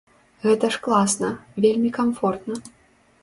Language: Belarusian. Гэта ж класна, вельмі камфортна.